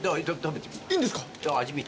いいんですか？